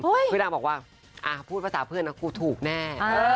พี่นางบอกว่าพูดภาษาเพื่อนนะกูถูกแน่